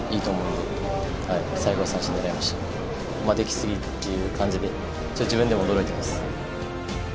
でき過ぎっていう感じで自分でも驚いてます。